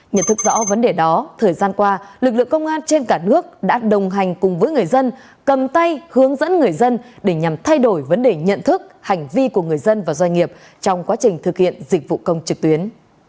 nhận thức rõ vấn đề đó thời gian qua lực lượng công an trên cả nước đã đồng hành cùng với người dân cầm tay hướng dẫn người dân để nhằm thay đổi vấn đề nhận thức hành vi của người dân và doanh nghiệp trong quá trình thực hiện dịch vụ công trực tuyến